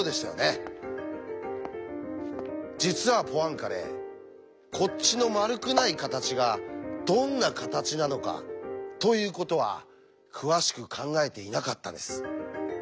実はポアンカレこっちの「丸くない形がどんな形なのか」ということは詳しく考えていなかったんです。